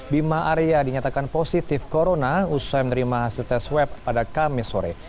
bima arya dinyatakan positif corona usai menerima hasil tes swab pada kamis sore